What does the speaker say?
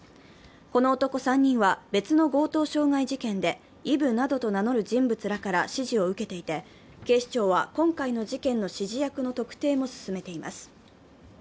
この男３人は別の強盗傷害事件でイブなどと名乗る人物らから指示を受けていて警視庁は今回の事件の指示役の特定も進めています。